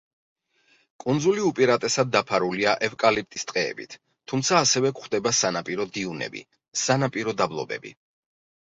კუნძული უპირატესად დაფარულია ევკალიპტის ტყეებით, თუმცა ასევე გვხვდება სანაპირო დიუნები, სანაპირო დაბლობები.